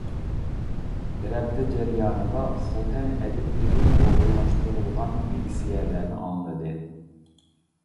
بىر ھەپتە جەريانىدا خوتەن ئەدىبلىرى ئورۇنلاشتۇرۇلغان لېكسىيەلەرنى ئاڭلىدى.